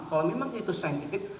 kalau memang itu scientific